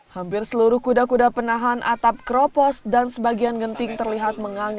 hampir seluruh kuda kuda penahan atap keropos dan sebagian genting terlihat mengangi